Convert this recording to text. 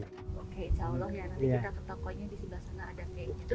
oke insya allah ya nanti kita ke tokonya di sebelah sana ada kayak gitu